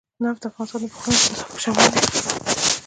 نفت د افغانستان د پوهنې نصاب کې شامل دي.